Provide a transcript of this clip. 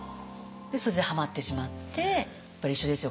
それでハマってしまってやっぱり一緒ですよ。